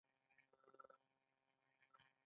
غوږونه د خبرو اورېدلو لپاره مهم دي